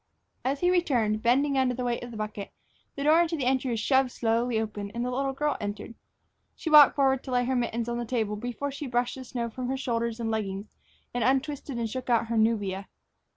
As he returned, bending under the weight of the bucket, the door into the entry was shoved slowly open and the little girl entered. She walked forward to lay her mittens on the table before she brushed the snow from her shoulders and leggings and untwisted and shook out her nubia.